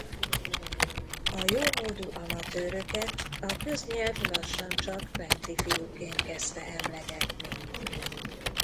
A jómódú amatőröket a köznyelv lassan csak Bentley-fiúkként kezdte emlegetni.